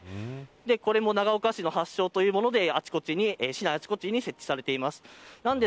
これも長岡市発祥というもので市内のあちこちに設置されてます。